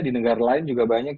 di negara lain juga banyak